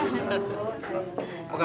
kamu tuh gimana